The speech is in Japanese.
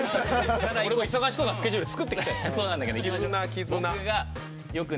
俺も忙しそうなスケジュール作って。